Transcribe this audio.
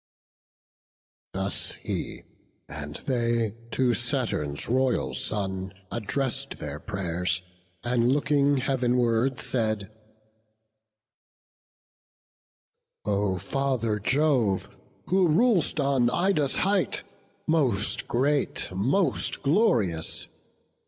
Thus he; and they to Saturn's royal son Address'd their pray'rs, and looking heav'nward, said: "O Father Jove, who rul'st on Ida's height! Most great! most glorious!